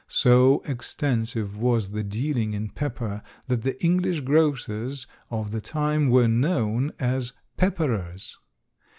So extensive was the dealing in pepper that the English grocers of the time were known as pepperers.